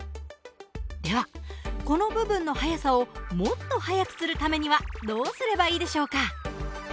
ではこの部分の速さをもっと速くするためにはどうすればいいでしょうか？